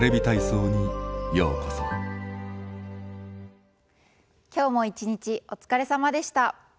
今日も一日お疲れさまでした。